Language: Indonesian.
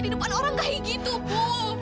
di depan orang kayak gitu bu